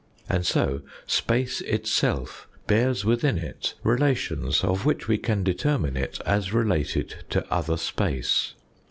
And so space itself bears within it relations of which we can determine it as related to other space.